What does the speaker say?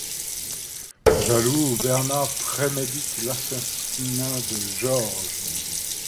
Jaloux, Bernard prémédite l'assassinat de Georges.